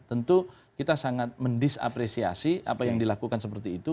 tentu kita sangat mendisapresiasi apa yang dilakukan seperti itu